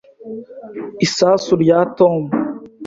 Isasu rya Tom.